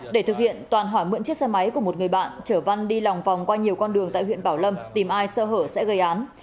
để thực hiện toàn hỏi mượn chiếc xe máy của một người bạn chở văn đi lòng vòng qua nhiều con đường tại huyện bảo lâm tìm ai sơ hở sẽ gây án